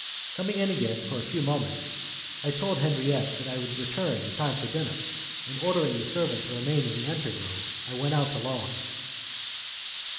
Coming in again for a few minutes, I told Henriette that I would return in time for dinner, and, ordering the servant to remain in the ante room, I went out alone.